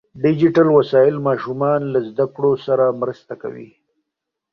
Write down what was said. ډیجیټل وسایل ماشومان له زده کړو سره مرسته کوي.